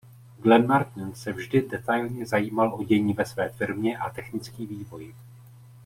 Glenn Martin se vždy detailně zajímal o dění ve své firmě a technický vývoj.